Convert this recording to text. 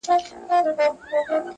چي مي لاستی له خپل ځانه دی نړېږم-